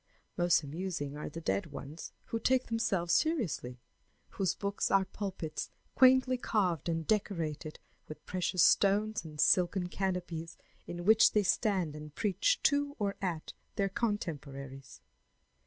Most amusing are the dead ones who take themselves seriously, whose books are pulpits quaintly carved and decorated with precious stones and silken canopies in which they stand and preach to or at their contemporaries.